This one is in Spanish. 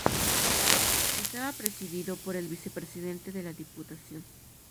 Estaba presidido por el Vicepresidente de la Diputación.